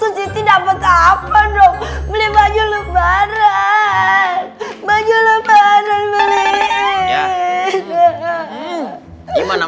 temen siti aja udah pada nelfon mulu udah panggil aku aja sama si koko